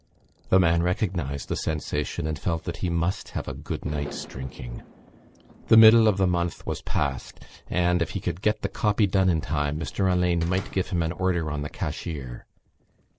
The man recognised the sensation and felt that he must have a good night's drinking. The middle of the month was passed and, if he could get the copy done in time, Mr Alleyne might give him an order on the cashier.